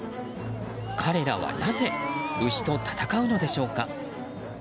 彼らはなぜ牛と戦うのでしょうか。